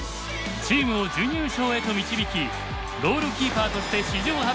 チームを準優勝へと導きゴールキーパーとして史上初の大会ＭＶＰを受賞した。